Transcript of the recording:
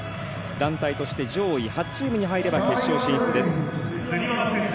団体として上位８チームに入れば決勝進出です。